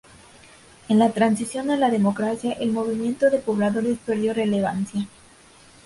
En la transición a la democracia, el movimiento de pobladores perdió relevancia.